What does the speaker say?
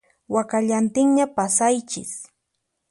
Wakallantinña pasaychis